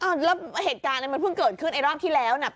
แล้วเหตุการณ์มันเพิ่งเกิดขึ้นไอ้รอบที่แล้วน่ะ